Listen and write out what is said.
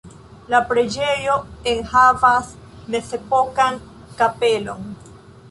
La preĝejo enhavas mezepokan kapelon.